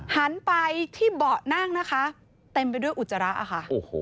หันไปที่เบาะนั่งนะคะเต็มไปด้วยอุจจาระค่ะโอ้โห